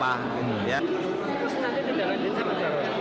bagaimana nanti di dalam jenisnya